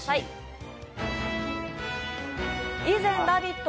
以前「ラヴィット！」